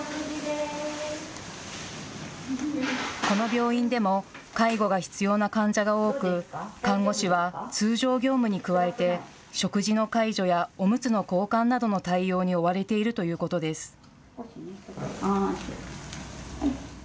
この病院でも介護が必要な患者が多く、看護師は通常業務に加えて食事の介助やおむつの交換などの対応に追われているということです。